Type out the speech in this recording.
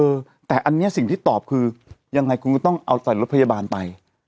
เออแต่อันนี้สิ่งที่ตอบคือยังไงคุณก็ต้องเอาใส่รถพยาบาลไป